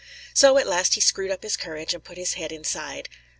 So at last he screwed up his courage and put his head inside.